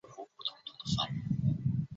奥尔河畔勒普若。